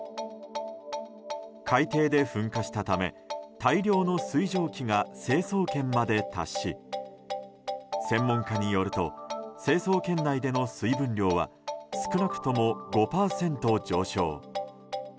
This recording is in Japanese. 海底で噴火したため大量の水蒸気が成層圏まで達し専門家によると成層圏内での水分量は少なくとも５％上昇。